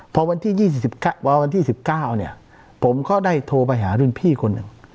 พอวันที่๑๙เนี่ยผมก็ได้โทรไปหารุ่นพี่คนหนึ่ง